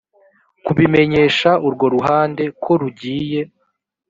kubimemenyesha urwo ruhande ko rugiye